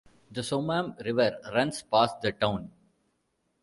The "Soummam" river runs past the town.